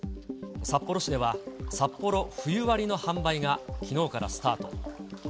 札幌市では、サッポロ冬割の販売がきのうからスタート。